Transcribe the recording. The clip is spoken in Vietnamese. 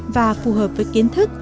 và phù hợp với kiến thức